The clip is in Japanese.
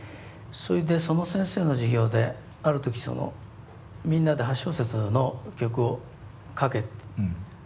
それでその先生の授業である時みんなで８小節の曲を書けって。